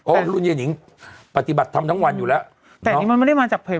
รุ่นยายนิงปฏิบัติทำทั้งวันอยู่แล้วแต่อันนี้มันไม่ได้มาจากเพจ